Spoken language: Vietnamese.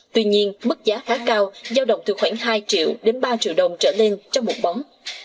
tuy nhiên mức giá khá cao giao động từ khoảng hai triệu đến ba triệu đồng trở lên cho bột bông